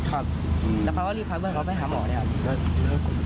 ครับแต่เพราะว่ารีพักเพื่อนเขาไปหาหมอเนี่ยครับ